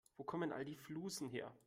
Wo kommen all die Flusen her?